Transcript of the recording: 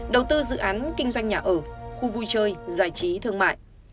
đầu tư dự án kinh doanh nhà ở khu vui chơi giải trí thương mại